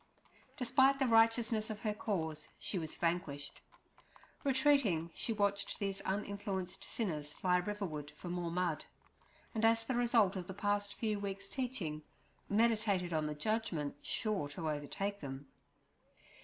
Despite the righteousness of her cause, she was vanquished. Retreating, she watched these uninfluenced sinners fly riverwards for more mud; and as the result of the past few weeks' teaching, meditated on the judgment sure to overtake them.